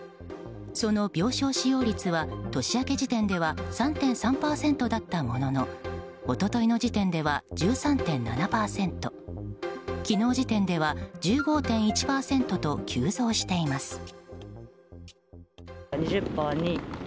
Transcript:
その病床使用率は年明け時点では３．３％だったものの一昨日の時点では１３．７％昨日時点では１５．１％と急増しています。